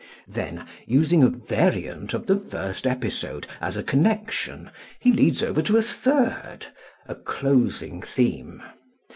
Then using a variant of the first episode as a connection he leads over to a third, a closing theme.